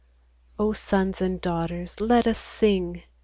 O sons and daughters ! let us sing